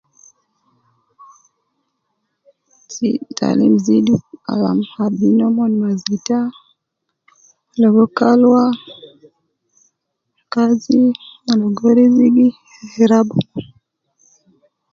Si taalim zidu kalam abinu nomon masgita, logo kalwa, kazi, mon ligo rizigi, gi raba umon.